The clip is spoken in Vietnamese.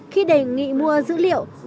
khi đề nghị mua dữ liệu